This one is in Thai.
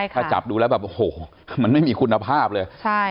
ถ้าจับดูแล้วแบบโอ้โหมันไม่มีคุณภาพเลย